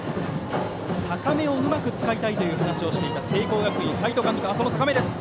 高めをうまく使いたいという話をしていた聖光学院、斎藤監督。